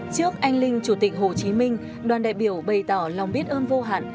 trước anh linh chủ tịch hồ chí minh đoàn đại biểu bày tỏ lòng biết ơn vô hạn